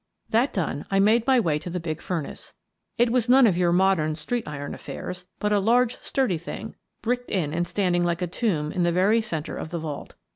That done, I made my way to the big furnace. It was none of your modern sheet iron affairs, but a large, sturdy thing, bricked in and standing like a tomb in the very centre of the vault.